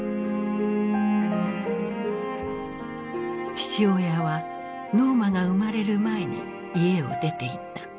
父親はノーマが生まれる前に家を出ていった。